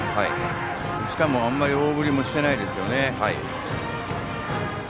しかも、あまり大振りもしていないですよね。